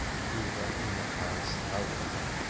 Yuba inehheṛ s tɣawla.